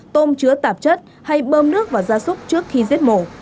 tôm chứa tạp chất hay bơm nước và gia súc trước khi giết mổ